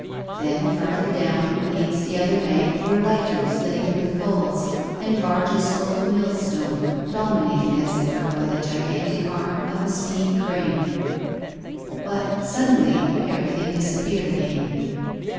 Then, farther down, against the other bank, were lighters, laden with coals, and barges full of mill stone, dominated as it were by the gigantic arm of a steam crane. But, suddenly, everything disappeared again.